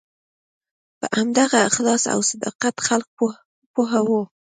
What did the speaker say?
په همدغه اخلاص او صداقت خلک پوه وو.